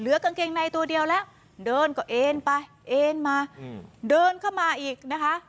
กางเกงในตัวเดียวแล้วเดินก็เอ็นไปเอ็นมาเดินเข้ามาอีกนะคะ